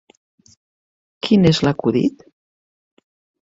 Quin és l'acudit?